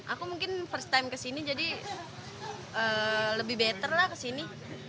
aku mungkin first time ke sini jadi lebih better lah ke sini